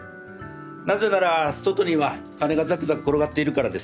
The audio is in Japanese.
なぜなら外には金がザクザク転がっているからですよ。